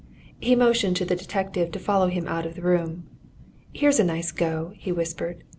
He motioned to the detective to follow him out of the room. "Here's a nice go!" he whispered.